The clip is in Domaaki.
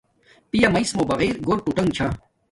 پیا میس موں بغیر گھُور ٹوٹان چھا